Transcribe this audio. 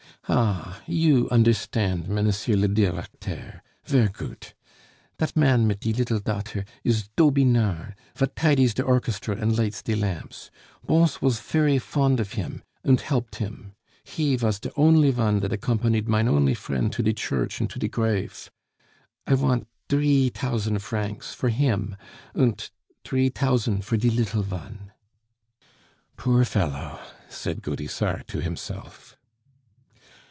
"Ah! you understand, mennesir le directeur! Ver' goot. Dat mann mit die liddle taughter is Dobinard, vat tidies der orchestra and lights die lamps. Bons vas fery fond of him, und helped him. He vas der only von dat accombanied mein only friend to die church und to die grafe.... I vant dree tausend vrancs for him, und dree tausend for die liddle von " "Poor fellow!" said Gaudissart to himself.